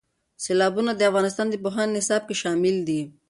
سیلابونه د افغانستان د پوهنې نصاب کې شامل دي.